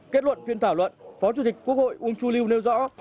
kết luận phiên thảo luận phó chủ tịch quốc hội uông chu lưu nêu rõ